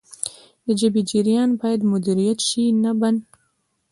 د ژبې جریان باید مدیریت شي نه بند.